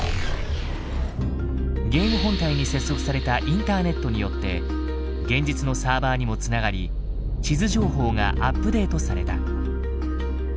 ゲーム本体に接続されたインターネットによって現実のサーバーにも繋がり地図情報がアップデートされた。